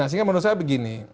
sehingga menurut saya begini